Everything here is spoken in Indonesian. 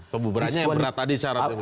pembubarannya yang berat tadi syaratnya